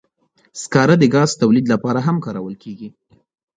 سکاره د ګاز تولید لپاره هم کارول کېږي.